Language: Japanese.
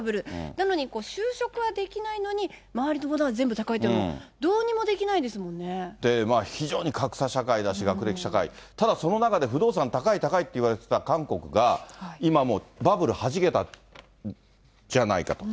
なのに、就職はできないのに、周りのものは全部高いと、どうにも非常に格差社会だし、学歴社会、ただ、その中で不動産高い高いと言われてた韓国が、今もう、バブルはじけたじゃないかと。